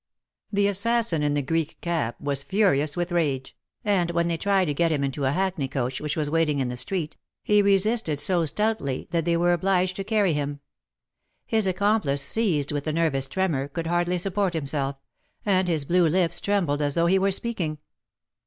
The assassin in the Greek cap was furious with rage, and when they tried to get him into a hackney coach which was waiting in the street, he resisted so stoutly that they were obliged to carry him. His accomplice, seized with a nervous tremor, could hardly support himself, and his blue lips trembled as though he were speaking.